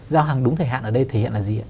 giao hàng đúng thời hạn ở đây thể hiện là gì ạ